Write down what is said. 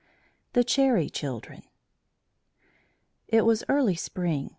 THE CHERRY CHILDREN It was early spring.